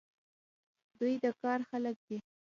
دوی د کار خلک دي.